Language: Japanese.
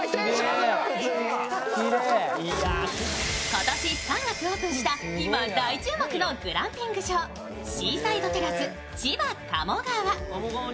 今年３月オープンした今大注目のグランピング場シーサイドテラス千葉鴨川。